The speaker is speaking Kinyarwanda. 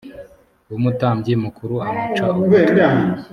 w umutambyi mukuru amuca ugutwi